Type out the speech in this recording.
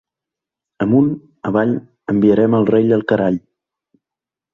Amunt, avall, enviarem el rei al carall.